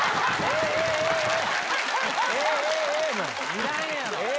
いらんやろ！